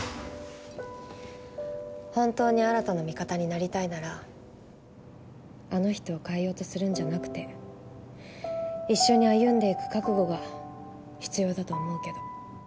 本当に新の味方になりたいならあの人を変えようとするんじゃなくて一緒に歩んでいく覚悟が必要だと思うけど。